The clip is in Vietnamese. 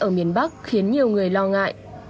ở miền bắc khiến nhiều người lo ngại